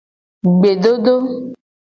Gbedodo.